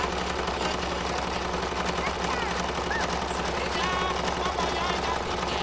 それじゃぽぅぽ「よいどん」っていって。